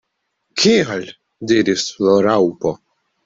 "Kial?" diris la Raŭpo.